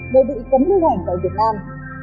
đều bị cấm lưu hành tại việt nam